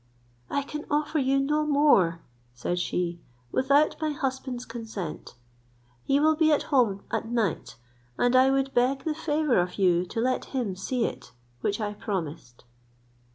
"I can offer you no more," said she, "without my husband's consent. He will be at home at night; and I would beg the favour of you to let him see it, which I promised."